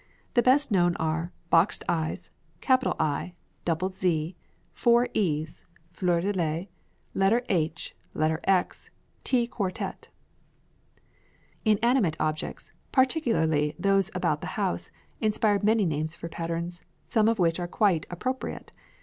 The best known are "Boxed I's," "Capital I," "Double Z," "Four E's," "Fleur de Lis," "Letter H," "Letter X," and "T Quartette." Inanimate objects, particularly those about the house, inspired many names for patterns, some of which are quite appropriate.